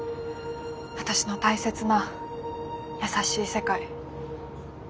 私の大切な優しい世界。